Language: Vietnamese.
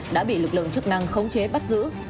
đã bị lực lượng chức năng khống chế bắt giữ